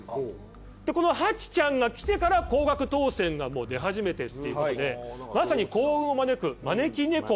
このハチちゃんが来てから高額当選がもう出始めてっていうことでまさに幸運を招く招き猫。